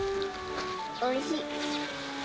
おいしい！